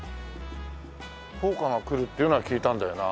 法科が来るっていうのは聞いたんだよな。